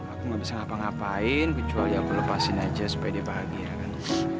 aku gak bisa ngapa ngapain kecuali aku lepasin aja supaya dia bahagia kan